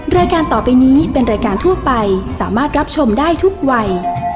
รายการต่อไปนี้เป็นรายการทั่วไปสามารถรับชมได้ทุกวัย